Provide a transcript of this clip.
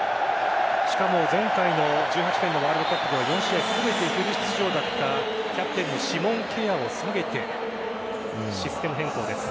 しかも、前回の１８年のワールドカップでは４試合全てフル出場だったキャプテンのシモン・ケアを下げてシステム変更です。